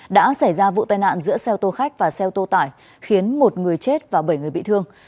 đã xảy ra vụ tai nạn giữa xeo tô khách và xeo tô tải khiến một người chết và bảy người bị thương